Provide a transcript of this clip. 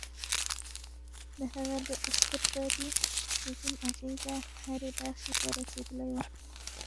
د هغه د استبدادي رژیم اغېزه هرې برخې ته رسېدلې وه.